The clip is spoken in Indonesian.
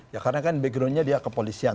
ya karena kan backgroundnya dia kepolisian